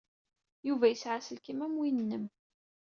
Yuba yesɛa aselkim am win-nnem.